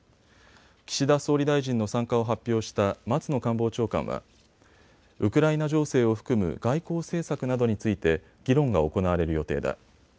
岸田総理大臣の参加を発表した松野官房長官はウクライナ情勢を含む外交政策などについて議論が行われる予定だ。